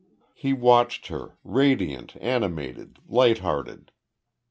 He watched her, radiant, animated, lighthearted.